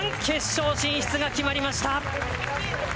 決勝進出が決まりました！